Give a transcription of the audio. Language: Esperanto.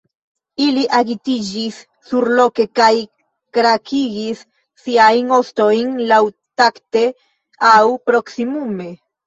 Ili agitiĝis surloke kaj krakigis siajn ostojn laŭtakte, aŭ proksimume.